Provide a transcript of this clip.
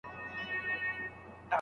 هغه ډبره چي موږ یې له